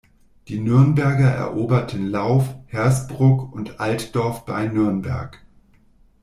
Die Nürnberger eroberten Lauf, Hersbruck und Altdorf bei Nürnberg.